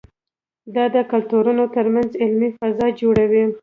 دا د کلتورونو ترمنځ علمي فضا جوړوي.